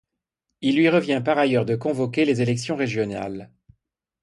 Il lui revient par ailleurs de convoquer les élections régionales.